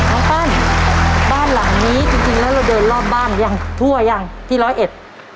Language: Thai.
ปั้นบ้านหลังนี้จริงจริงแล้วเราเดินรอบบ้านยังทั่วยังที่ร้อยเอ็ด